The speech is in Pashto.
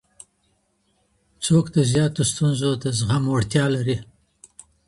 څوک د زياتو ستونزو د زغم وړتيا لري؟